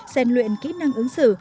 xen luyện kỹ năng ứng xử